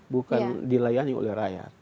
bukan dilayani oleh rakyat